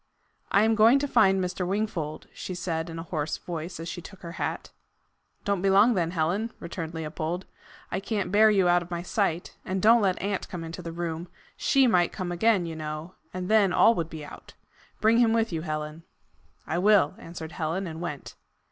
"I am going to find Mr. Wingfold," she said in a hoarse voice, as she took her hat. "Don't be long then, Helen," returned Leopold. "I can't bear you out of my sight. And don't let aunt come into the room. SHE might come again, you know, and then all would be out. Bring him with you, Helen." "I will," answered Helen, and went.